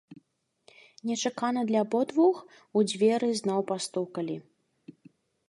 Нечакана для абодвух у дзверы зноў пастукалі.